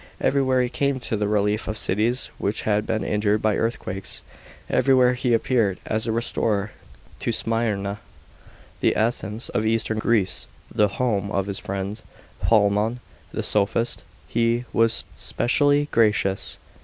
Everywhere he came to the relief of cities which had been injured by earthquakes ; everywhere he appeared as a restorer. To Smyrna, the Athens of eastern Greece, the home of his friend Polemon the sophist, he was specially gracious.